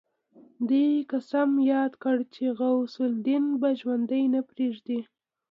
دوی قسم ياد کړ چې غوث الدين به ژوندی نه پريږدي.